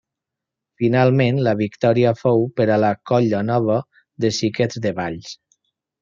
Finalment la victòria fou per la Colla Nova dels Xiquets de Valls.